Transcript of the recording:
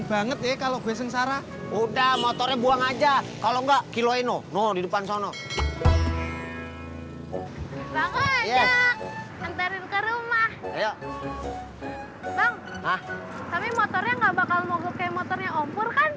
bang tapi motornya gak bakal mogok kayak motornya om pur kan